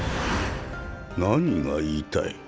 何が言いたい？